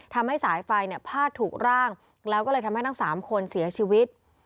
ทำให้สายไฟเนี่ยพาดถูกร่างแล้วก็เลยทำให้ทั้ง๓คนเสียชีวิต